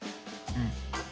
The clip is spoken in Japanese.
うん。